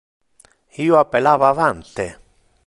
Io appellava avante.